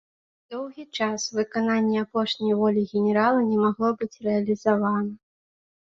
Доўгі час выкананне апошняй волі генерала не магло быць рэалізавана.